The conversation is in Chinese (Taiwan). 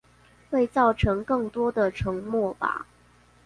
會造成更多的沉默吧？